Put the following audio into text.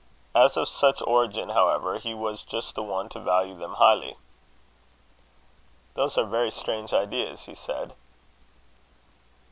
As of such origin, however, he was just the one to value them highly. "Those are very strange ideas," he said.